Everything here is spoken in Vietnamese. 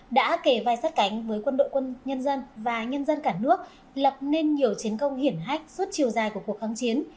đã kề vai sát cánh với quân đội quân nhân dân và nhân dân cả nước lập nên nhiều chiến công hiển hách suốt chiều dài của cuộc kháng chiến